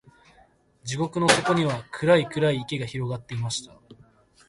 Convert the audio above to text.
地獄の底には、暗い暗い池が広がっていました。